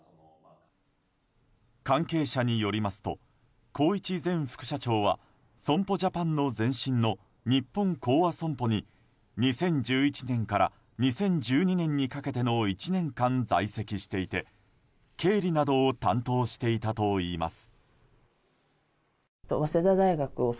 関係者によりますと宏一前副社長は損保ジャパンの前身の日本興亜損保に２０１１年から２０１２年にかけての１年間、在籍していて経理などを担当していたといいます。